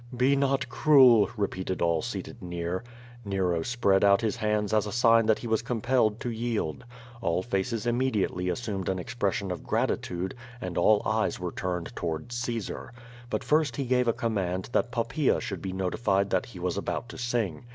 '* "Be not cruel,'' repeated all seated near. Nero spread out his hands as a sign that he was compelled to yield. All faces immediately assumed an expression of gratitude, and all eyes were tumea towards Caesar. But first he gave a com mand that Poppaea should be notified that he was about to sing.